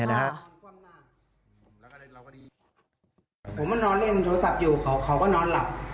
ผมก็ดีผมก็นอนเล่นโทรศัพท์อยู่เขาก็นอนหลับ